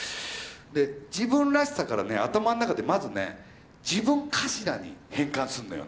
で「自分らしさ」からね頭の中でまずね「自分かしら」に変換すんのよ。